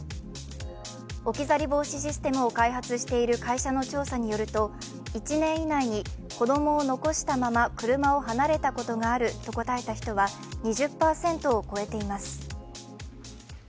置き去り防止システムを開発している会社の調査によると、１年以内に子供を残したまま車を離れたことがあると答えた人は２０％を超えています。